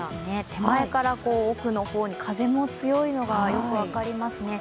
手前から奧の方に風が強いのもよく分かりますね。